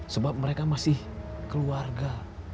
sebab mereka masih keluarga